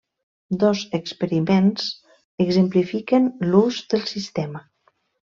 Dos experiments exemplifiquen l'ús del sistema.